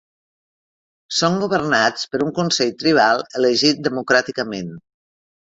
Són governats per un consell tribal elegit democràticament.